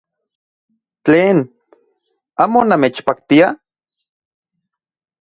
¡Tlen! ¿Amo namechpaktia?